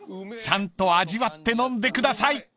［ちゃんと味わって飲んでください！］